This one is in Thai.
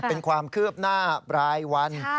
เป็นความคืบหน้ารายวัน